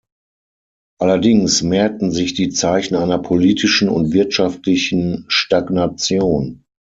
Allerdings mehrten sich die Zeichen einer politischen und wirtschaftlichen Stagnation.